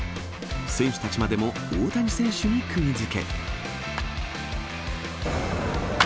選手たちまでも大谷選手にくぎづけ。